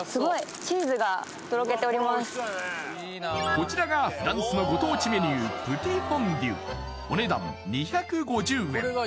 こちらがフランスのご当地メニュープティ・フォンデュお値段２５０円